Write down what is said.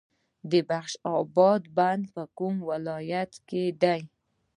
د بخش اباد بند په کوم ولایت کې دی؟